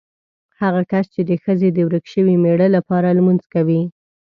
هغه کس چې د ښځې د ورک شوي مېړه لپاره لمونځ کوي.